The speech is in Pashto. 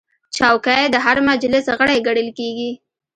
چوکۍ د هر مجلس غړی ګڼل کېږي.